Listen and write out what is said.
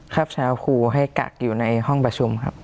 ครับชาวภูให้กักอยู่ในห้องประชุมครับ